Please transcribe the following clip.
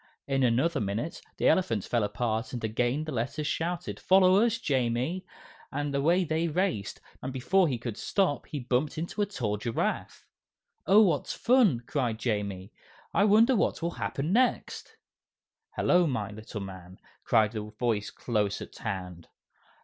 In another minute the elephant fell apart and again the Letters shouted, "Follow us, Jamie!" and away they raced, and before he could stop he bumped into a tall giraffe. "Oh, what fun!" cried Jamie. "I wonder what will happen next?" "Hello, my little man!" cried a voice close at hand.